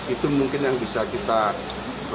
itu mungkin yang bisa kita lakukan